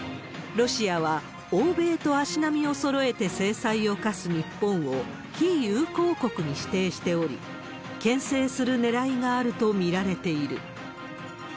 ロシアは、欧米と足並みをそろえて制裁を科す日本を非友好国に指定しており、けん制するねらいがあると見られている。